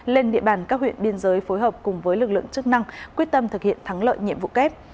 lên địa bàn các huyện biên giới phối hợp cùng với lực lượng chức năng quyết tâm thực hiện thắng lợi nhiệm vụ kép